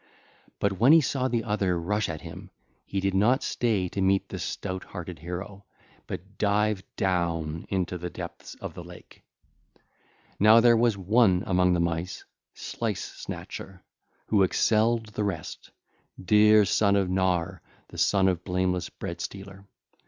But when he saw the other rush at him, he did not stay to meet the stout hearted hero but dived down to the depths of the lake. (ll. 260 271) Now there was one among the Mice, Slice snatcher, who excelled the rest, dear son of Gnawer the son of blameless Bread stealer.